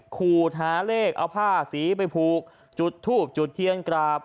ขูดหาเลขเอาผ้าสีไปผูกจุดทูบจุดเทียนกราบ